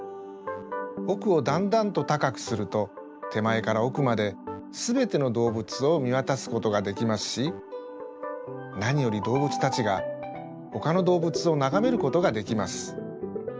おくをだんだんとたかくするとてまえからおくまですべての動物をみわたすことができますしなにより動物たちがほかの動物をながめることができます。